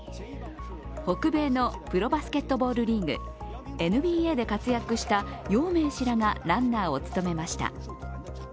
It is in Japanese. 北米のプロバスケットリーグＮＢＡで活躍した姚明氏らがランナーを務めました。